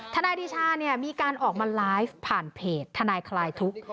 ทนายเดชามีการออกมาไลฟ์ผ่านเพจทนายคลายทุกข์